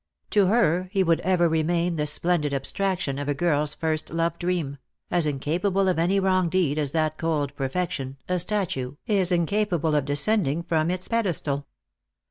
To her he would ever remain the splendid abstraction of a girl's first love dream — as incapable of any wrong deed as that cold perfection, a statue, is incapable of descending from its pedestal.